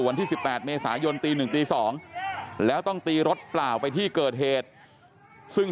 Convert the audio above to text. วันที่๑๘เมษายนตี๑ตี๒แล้วต้องตีรถเปล่าไปที่เกิดเหตุซึ่ง